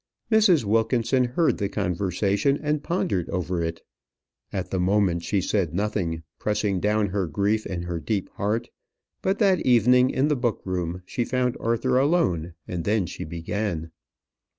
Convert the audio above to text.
Mrs. Wilkinson heard the conversation, and pondered over it. At the moment she said nothing, pressing down her grief in her deep heart; but that evening, in the book room, she found Arthur alone; and then she began.